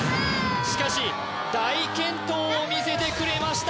しかし大健闘を見せてくれました